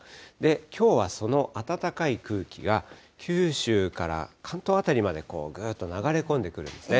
きょうはその暖かい空気が、九州から関東辺りまでぐっと流れ込んでくるんですね。